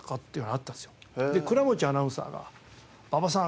で倉持アナウンサーが馬場さん。